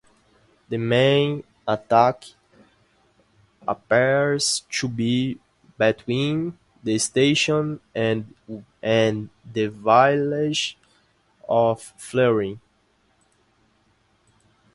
The main attack appears to be between the station and the village of Fleury.